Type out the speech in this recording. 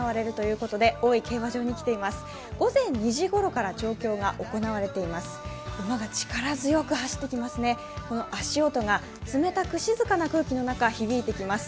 この足音が冷たく静かな空気の中、響いてきます。